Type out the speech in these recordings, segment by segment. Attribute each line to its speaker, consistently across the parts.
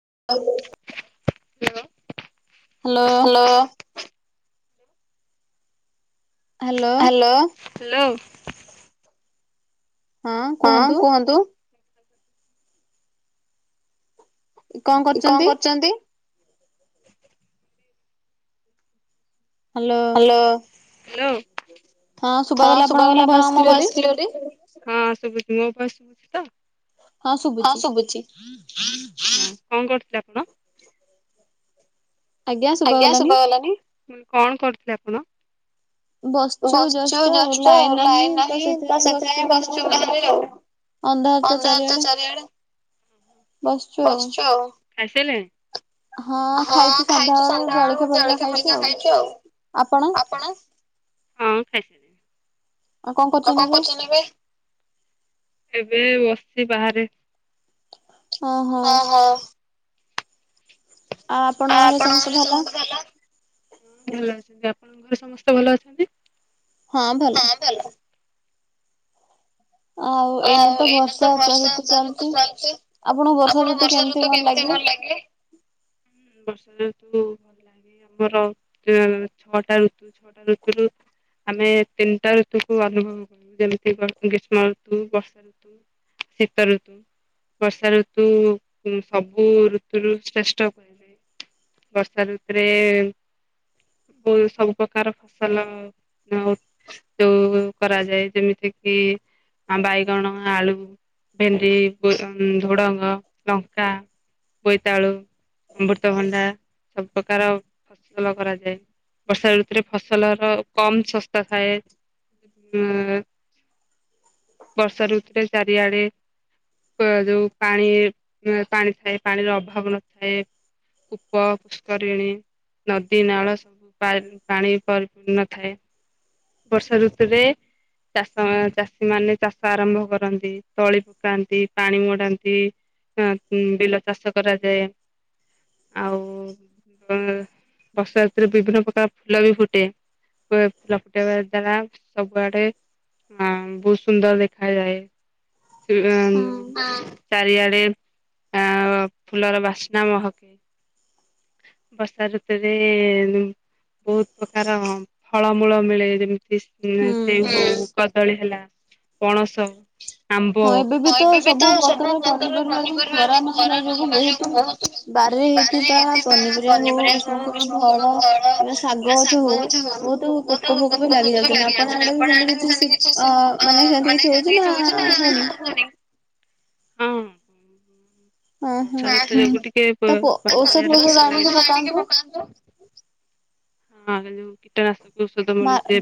Speaker 1: Hello. Hello. Hello hello. ହଁ କୁହନ୍ତୁ। ଙ୍କ କରଚନ୍ତି?
Speaker 2: ହାଲୋ।
Speaker 1: ହଲୋ ହଁ ଶୁଭା ଗଲା ଆପଣଙ୍କ ମୋ ଭୟସ କି ହଁ। ଶୁଭୁଚି ମୋ ଭାଏସ ତ ହଁ ଶୁଭୁଚି ହଁ। ଙ୍କ କରଥିଲେ ଆପଣ? ଆଜ୍ଞା ଶୁଭା ଗଲାନି ଉଁ କଣ କରୁଥିଲେ ଆପଣ? ବସଚୁ ଜଷ୍ଟ ଆଉ ଲାଇନ ନାହିଁ ତ ସେଥିପାଇଁ ବସଚୁ ବାହାରେ ଆଉ। ଅନ୍ଧାର ତ ଚାରିଆଡେ। ଖାଇ ସାଇଲେଣି? ହଁ ଖାଇଛୁ ସନ୍ଧ୍ୟାବେଳୁ ଜଳଖିଆ ଫଳିକିଆ ଖାଇଛୁ ଆଉ। ହଁ ଖାଇ ସାଇଲିଣି। ଆଉ କଣ କରୁଛନ୍ତି ଏବେ? ଓହୋ। ଆଉ ଆପଣଙ୍କର ସବୁ ତ ଭଲ? ଆପଣଙ୍କ ଘରେ ସମସ୍ତେ ଭଲ ଅଛନ୍ତି?
Speaker 2: ହଁ ଭଲ।
Speaker 1: ଆଉ ଏଇନେ ତ ବର୍ଷା [unintelligible] ଚାଲଛି। ଆପଣଙ୍କୁ ବର୍ଷା ଋତୁ କେମତି ଭଲ ଲାଗେ? ଆମର ଛଅଟା ଋତୁ, ଛଅଟା ଋତୁରୁ ଆମେ ତିନଟା ଋତୁକୁ ଅନୁଭବ କରୁ, ଯେମତି ବର୍ଷା, ଗ୍ରୀଷ୍ମ। ଋତୁ ବର୍ଷା ଋତୁ, ଶୀତ ଋତୁ। ବର୍ଷା ଋତୁ ସବୁ ଋତୁରୁ ଶ୍ରେଷ୍ଠ କୁହାଯାଏ। ବର୍ଷା ଋତୁରେ ବ ସବୁ ପ୍ରକାର ଫସଲ ଯୋଉ କରାଯାଏ, ଯେମିତି କିି ଆ ବାଇଗଣ, ଆଳୁ ଭେଣ୍ଡି, ଝୁଡଙ୍ଗ, ଲଙ୍କା। ବୋଇତାଳୁ, ଅମୃତଭଣ୍ଡା ସବୁ ପ୍ରକାର ଫସଲ କରାଯାଏ। ବର୍ଷା ଋତୁରେ ଫସଲର କମ୍ ଶସ୍ତା ଥାଏ। ଉ ବର୍ଷା ଋତୁରେ ଚାରିଆଡେ ଯୋଉ ପାଣି ପାଣି ଥାଏ ପାଣିର ଅଭାବ ନଥାଏ। କୂପ, ପୁଷ୍କରିଣୀ। ନଦୀ, ନାଳ ସବୁ ପା-ପାଣି ପରିପୂର୍ଣ୍ଣ ଥାଏ। ବର୍ଷା ଋତୁରେ। ଚାଷ ଚାଷୀ ମାନେ ଚାଷ ଆରମ୍ଭ କରନ୍ତି, ତଳି ପକାନ୍ତି, ପାଣି ମଡାନ୍ତି। ହଁ ବିଲ ଚାଷ କରାଯାଏ। ଆଉ ବର୍ଷା ଋତୁରେ ବିଭିନ୍ନ ପ୍ରକାର ଫୁଲ ବି ଫୁଟେ। [unintelligible] ଟ ଦ୍ଵାରା ସବୁଆଡେ ଅ ବହୁତ ସୁନ୍ଦର ଦେଖାଯାଏ। ଚାରିଆଡେ ଆଉ ଫୁଲର ବାସ୍ନା ମହକେ। ବର୍ଷା ଋତୁରେ ବହୁତ ପ୍ରକାର ଫଳମୂଳ ମିଳେ। [unintelligible] କଦଳୀ ହେଲା ପଣସ। କହବେ ବି ତ ସବୁ ପ୍ରକାର ପନିପରିବା ଖରା ନଥିବା ଯୋଗୁ ବହୁତ ବି ବାରିରେ ହେଇଥିବା ପନିପରିବା ହଉ ଉଷ୍ମ କି ଫଳ କିମ୍ବା ଶାଗ ଗଛ ହଉ।
Speaker 2: ପୋକ ଫୋକ ବି ଲାଗି ଯାଉଛନ୍ତି ଆପଣ ଆଡେ ବି ସେମତି କିଛି [unintelligible] ଅ ମାନେ ସେମତି କିଛି ହଉଛି ନା ହଉନି।
Speaker 1: ହଁ। ପୋକ ଔଷଧକୁ ଆଣିକି ପକାନ୍ତୁ। ହଁ ଯୋଉ କୀଟନାଶକ। ଔଷଧ ମିଳୁଛି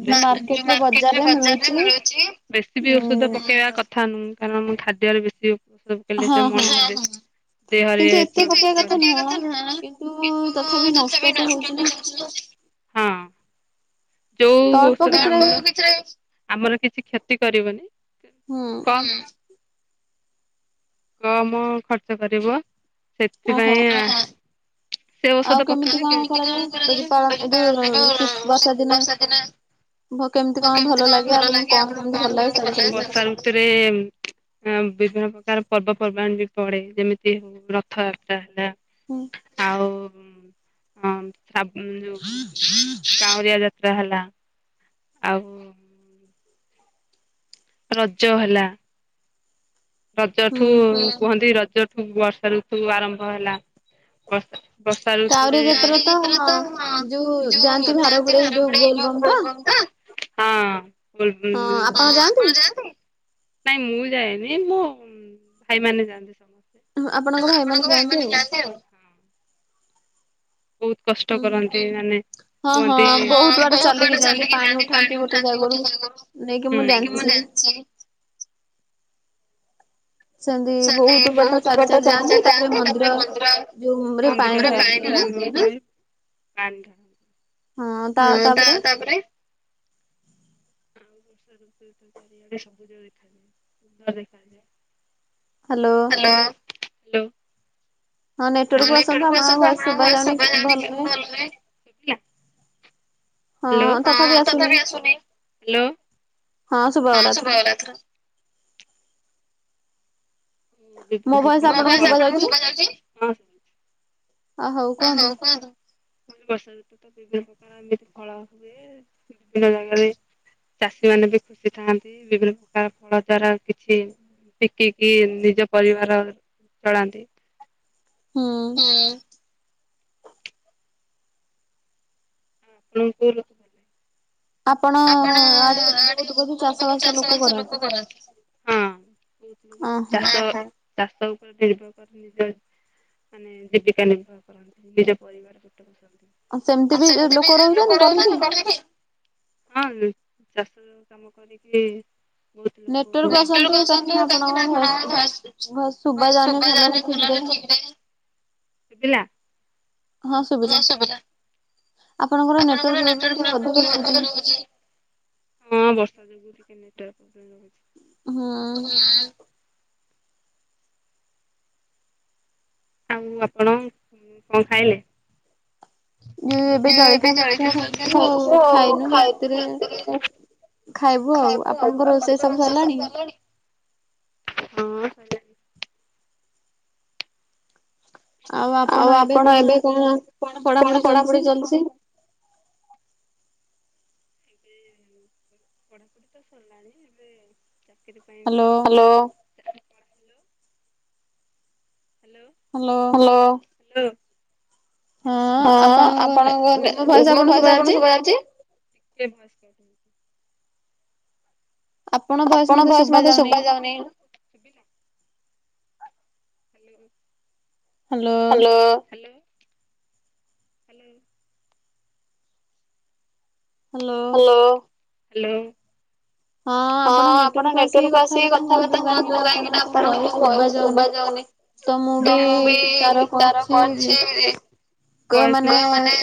Speaker 1: ବେଶୀ ବି ଔଷଧ ପକେଇବା କଥା ନୁ କାରଣ ମୁଁ ଖାଦ୍ୟରେ ବେଶୀ ଔଷଧ ପକେଇଲେ ସେ ମରିଯାଏ। କିନ୍ତୁ ଏତେ ପକେଇବା କଥା ନୁହେଁ କିନ୍ତ ତଥାପି ନଷ୍ଟ ତ ହଉଚି ହଉଚି। ଯୋଉ ଔଷଧ ଆମର ଆମର କିଛି କ୍ଷତି କରିବନି। କମ୍। କମ ଖର୍ଚ୍ଚ କରିବ ସେଥିପାଇଁ। କେମିତି କଣ କରାଯାଏ? ଏଇଟା ଏଯୋଉ ବର୍ଷା ଦିନ। ବର୍ଷା ଋତୁରେ ଆ ବିଭିନ୍ନ ପ୍ରକାର ପର୍ବପର୍ବାଣି ବି ପଡେ ଯେମିତି ରଥଯାତ୍ରା ହେଲା, ଆଉ ହୁଁ ହଁ [unintelligible] କାଉଁରିଆ ଯା ତ୍ରା ହେଲା ଆଉ ରଜ ହେଲା। ରଜଠୁ କୁହନ୍ତି ରଜଠୁ ବର୍ଷା ଋତୁ ଆରମ୍ଭ ହେଲା। ବର୍ଷା ଋତୁରେ ବୋଲବମ୍ ତ [unintelligible] ନାଇଁ ମୁଁ ଯାଏ। ଏ ମୋ ଭାଇ ମାନେ ଯାଆନ୍ତି। ବହୁତ କଷ୍ଟ କରନ୍ତି ମାନେ କୁହନ୍ତି। ସେ ସେ ବି ବହୁତ ବାଟ ଚାଲି ଚାଲି ଯାଆନ୍ତି ତାପରେ ମନ୍ଦିର [unintelligible] [unintelligible] ହୁଁ ତା ତାପରେ ବର୍ଷା ଋତୁଟା ଚାରିଆଡ଼େ ସବୁଜ ଦେଖାଯାଏ ସୁନ୍ଦର୍ ଦେଖାଯାଏ।
Speaker 2: ହ୍ୟାଲୋ।
Speaker 1: ଲୋ। [unintelligible] Hello hello.
Speaker 2: ହଁ ଶୁବା ଗଲା ଏଥର।
Speaker 1: [inaudible] ମୋ ଭଏସ୍ ଆପଣଙ୍କୁ ଶୁଭା ଯାଉଛି?
Speaker 2: ଆ ହଉ କୁହନ୍ତୁ।
Speaker 1: ଭ ବର୍ଷା ଋତୁ ତ ବିଭିନ୍ନ ପ୍ରକାର ଏମିତି ଫଳ ହୁଏ ବିଭିନ୍ନ ଜାଗାରେ ଚାଷୀ ମାନେ ବି ଖୁସି ଥାଆନ୍ତି ବିଭିନ୍ନ ପ୍ରକାର ଫଳ ଦ୍ଵାରା କିଛି ବିକିକି ନିଜ ପରିବାର ଚଳାନ୍ତି।
Speaker 2: ହୁଁ।
Speaker 1: ହଁ ଆପଣଙ୍କୁ ଆପଣ ଆଡ଼େ ବହୁତ ବହୁତ ଚାଷବାସ ଲୋକ କରନ୍ତି। ଚାଷ ଚାଷ। ନିର୍ଭର କରି ନିଜ ମାନେ ଜୀବିକା ନିର୍ବାହ କରନ୍ତି ନିଜ ପରିବାର ପେଟ ପୋସନ୍ତି। ଆଉ ସେମିତି ବି ଲୋକ ରହୁଛନ୍ତି [unintelligible] ହଁ ଚାଷ କାମ କରିକି [unintelligible] ସୁବିଲା। ହ ସୁବିଲା। ହଁ ବ [unintelligible] ଟିକେ ନେଟୱର୍କ ପ୍ରୋବେଲ ରହୁଛି।
Speaker 2: ହୁଁ।
Speaker 1: ଆଉ ଆପଣ କଣ ଖାଇଲେ? ଏ ଏବେ ଜଳଖିଆ ଫଳିଖିଆ ଖାଉଚୁ ଆଉ [unintelligible] ଖାଇବୁ ଆଉ ଆପଣଙ୍କ ରୋସେଇ ସବୁ ହେଲାଣି। ହଁ ଶଇଲାଣି। ଆଉ ଆପଣ ଏବେ କଣ କଣ ପଢାପଢି ଚାଲିଛି? [inaudible] ହ୍ୟାଲୋ। ହ୍ୟାଲୋ। ହଁ ଆପଣଙ୍କ ମୋ ଭୟସ ଆପଣଙ୍କୁ ଶୁଭା ଯାଉଛି। ଟିକେ ଭଏସ୍ କଟ ହଉଛି। ଆପଣ ଭଏସ୍ ମତେ ଶୁଭ ଯାଉନି। Hello. Hello hello. Hello. Hello hello. ହଁ ଆପଣ ନେଟୱାର୍କ ଆସିକି କଥାବାର୍ତ୍ତା ହୁଅନ୍ତୁ କାହିଁକି ନା ଆପଣଙ୍କ ଘୟ ଶୁଭ ଯାଉନି । ତ ମୁଁ ବି ତାର କରିଛି। ହ ମାନେ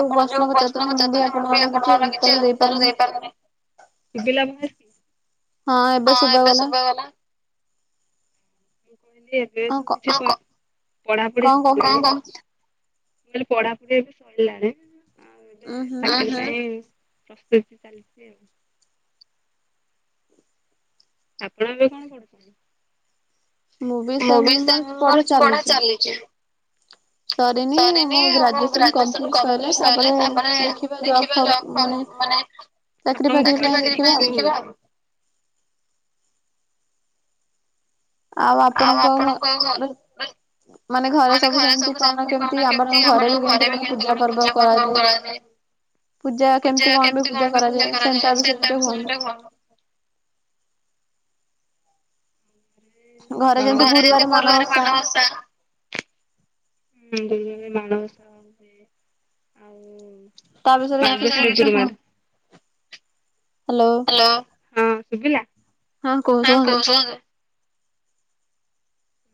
Speaker 1: ଆପଣ ଯୋଉ ପ୍ରଶ୍ନ ପଚତନ ମୁଁ ବି ଆପଣଙ୍କର କିଛି ଉତ୍ତର ଦେଇପାରୁିବନି। ଶପିଲ ଭ।
Speaker 2: ହଁ ଏବେ ଶୁଭ ଗଲା।
Speaker 1: କହିଲି ଏବେ ତ କିଛି ପଢାପଢି ସ। ବଲେ ପଢାପଢି ସରିଲାଣି ଆଉ। ପ୍ରସ୍ତ ଚାଲିଛି ଆଉ। ଆପଣ ଏବେ କଣ କରୁଛନ୍ତି। ମୁଁ ବି ସେର ପଢା ଚାଲିଛି। ସରିନି ମୁଁ ଗ୍ରାଜୁଏସନ କମ୍ପ୍ଲିଟ ସରିଲେ ତାପରେ ଦେଖିବା ଜବ ହ। ମାନେ ଆପଣ ଚାକରରି ଫକିରୀ ପାଇଁ। ଆଉ ଆପଣଙ୍କ। ମାନେ ଘରେ ସବୁ ସେମିତି କଣ କେମତି ଆମର ଘରେ ବି କେମତି କଣ ପୂଜା ପର୍ବ କରଏ। ପୂଜା କେମତି କଣ ବି ପୂଜା କରାଯାଏ ସେନ୍ତା ବିଷ କଣ। ଘରେ ଯେମିତି ଗୁରୁବାର ମାଣବସା। ହୁଁ ଦରେ ମାାନସ ହନ୍ତି ଆଉ।
Speaker 2: ତା ବିଷୟରେ କିଛି କୁହନ୍ତୁ।
Speaker 1: ହ୍ୟାଲୋ ହଁ ସୁିଲ ହ କହୁ କୁହନ୍ତୁ।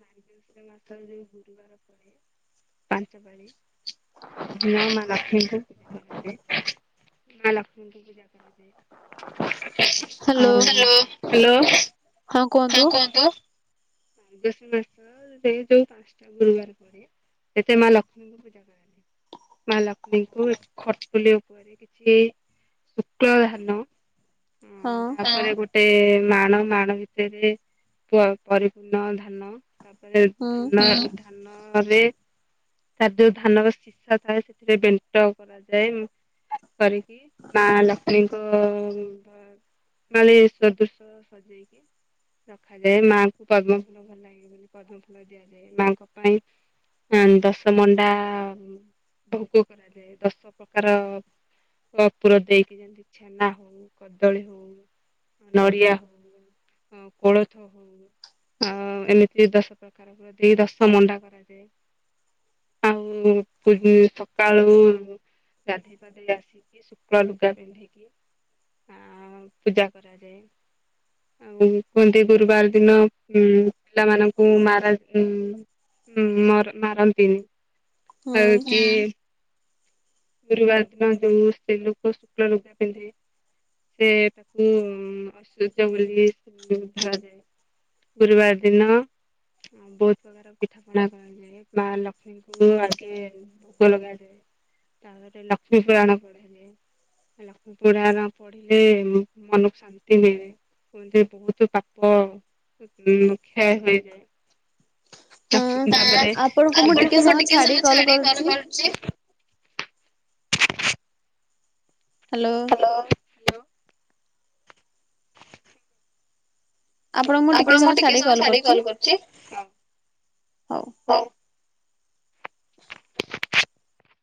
Speaker 1: ମାର୍ଗଶୀର ମାସ ଯୋଉ ଗୁରୁବାର ପଳ ପାଞ୍ଚ ପାଳି । ସେ ଦିନ ମା ଲକ୍ଷ୍ମୀଙ୍କୁ ପୂଜା କରାଯାଏ ମା ଲକ୍ଷ୍ମୀଙ୍କୁ ପୂଜା କରାଯାଏ। ହଲୋ ହଲୋ ହଁ କୁହନ୍ତୁ। ମାର୍ଗଶୀ ମାସରେ ଯୋଉ ପାଞ୍ଚଟା ଗୁରୁବାର ପରେ। ସେଥିେ ମା ଲକ୍ଷ୍ମୀଙ୍କୁ ପୂଜା କରନ୍ତି। ମା ଲକ୍ଷ୍ମୀଙ୍କୁ ଖଟପୁଲି ଉପରେ କିଛି ଶୁକ୍ଳ ଧାନ। ହ ତାପରେ ଗୋଟେ ମାଣ ମାଣ ଭିତରେ। ସୁନ ଧାନ ତାପରେ ଧାନ ଧାନରେ। ତା ଯୋଉ ଧାନର ଶିଷ ଥାଏ ସେଥିରେ ବେଣ୍ଟ କରାଯାଏ। କରିକି ମା ଲକ୍ଷ୍ମୀଙ୍କୁ। ମା ସଦୃଶ ସଜେଇକି ରଖାଯାଏ ମାଙ୍କୁ ପଦ୍ମ ଫୁଲ ଭଲ ଲାଗେ। ପଦ୍ମ ଫୁଲ ଦିଆଯାଏ ଏଙ୍କ ପାଇଁ। ହଁ ଦଶ ମଣ୍ଡା ଭୋଗ କରାଯାଏ ଦଶ ପ୍ରକାର। କପୁର ଦେଇକି ଯେମତି ଛେନା ହଉ କଦଳୀ ହଉ ନଡିଆ ହଉ। ହଁ କଳଥ ହଉ। ଆଉ ଏମିତି ଦଶ ପ୍ରକାର ଦି ଦଶ ମଣ୍ଡା କରାଯାଏ। ଆଉ ସକାଳୁ । ଗାଧୋଇ ପାଧେଇ ଆସିକି ଶୁକ୍ଳ ଲୁଗା ପିନ୍ଧିକି । ଆ ପୂଜା କରାଯାଏ ଆଉ କୁହନ୍ତି ଗୁରୁବାର ଦିନ। ହୁଁ ପିଲାମାନଙ୍କୁ ମାର ମାରନ୍ତିନି । ଆଉ କି । ଗୁରୁବାର ଦିନ ଯଉ ସେ ଲୋକ ଶୁକ୍ଳ ଲଗା ପିନ୍ଧେ । ସେ ତାକୁ ଆଶଯ୍ୟ ବୋଲିଧା। ଗୁରୁବାର ଦିନ। ହଁ ବହୁତ ପ୍ରକାର ପିଠା ପଣା କରାଯାଏ ମା ଲକ୍ଷ୍ମୀଙ୍କୁ ଆଗେ ଭୋକ ଲଗାଯାଏ। ତାରେ ଲକ୍ଷ୍ମୀପୁରଣ ପଡ଼। ଲକ୍ଷ୍ମୀପୁରାଣ ପଢିଲେ ମନକୁ ଶାନ୍ତି ମିଳେ। କୁହନ୍ତି ବହୁତ ପାପ କ୍ଷୟ ହୋଇଯାଏ। ଆପଣଙ୍କୁ ମୁଁ ଟିକେ ସମୟ ଛାଡି କଲ୍ କରୁଚି।
Speaker 2: ହ୍ୟାଲୋ।
Speaker 1: ଆପଣଙ୍କୁ ଟିକେ ସମୟ ଛାଡିକି କଲ୍ କରୁଚି ହଉ।